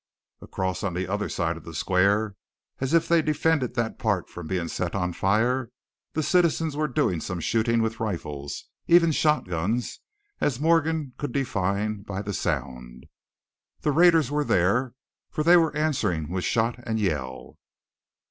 Across on the other side of the square, as if they defended that part from being set on fire, the citizens were doing some shooting with rifles, even shotguns, as Morgan could define by the sound. The raiders were there, for they were answering with shot and yell.